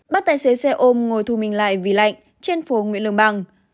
bác tài xế xe ôm ngồi thu mình lại vì lạnh trên phố nguyễn lương bằng